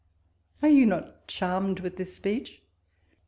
Are not you charmed with this speech